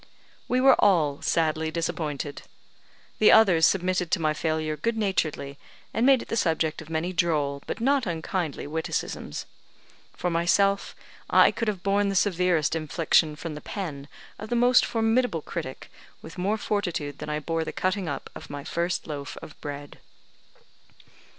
We were all sadly disappointed. The others submitted to my failure good naturedly, and made it the subject of many droll, but not unkindly, witicisms. For myself, I could have borne the severest infliction from the pen of the most formidable critic with more fortitude than I bore the cutting up of my first loaf of bread.